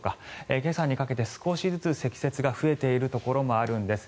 今朝にかけて少しずつ積雪が増えているところもあるんです。